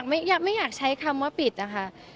ไม่อยากใช้คำว่าปิดนะคะ